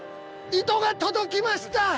糸が届きました！